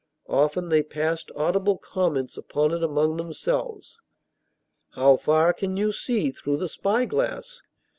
Often they passed audible comments upon it among themselves. "How far can you see through the spyglass?"